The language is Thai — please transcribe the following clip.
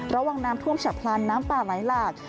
ระวังน้ำท่วมฉับพลันน้ำป่าไหลหลาก